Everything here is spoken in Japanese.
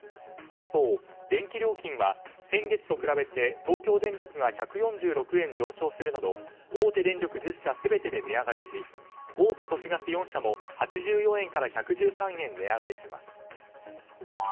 一方、電気料金は先月と比べて東京電力が１４６円上昇するなど大手電力１０社全てで値上がりし大手都市ガス４社も８４円から１１３円値上がりします。